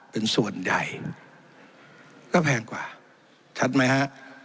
เป็นส่วนใหญ่ก็แพงกว่าชัดไหมฮะ